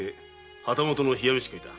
旗本の冷や飯食いだ。